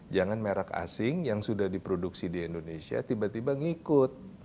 jangan merek asing yang sudah diproduksi di indonesia tiba tiba ngikut